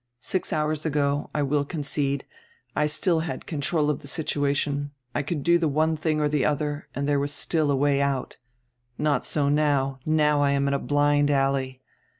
Six hours ago, I will concede, I still had control of the situation, I could do the one tiling or the other, there was still a way out. Not so now; now I am in a blind alley.